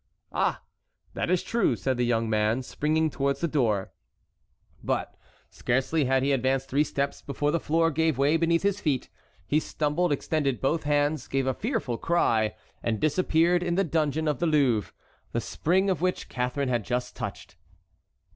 "Ah! that is true," said the young man, springing towards the door. But scarcely had he advanced three steps before the floor gave way beneath his feet. He stumbled, extended both hands, gave a fearful cry, and disappeared in the dungeon of the Louvre, the spring of which Catharine had just touched.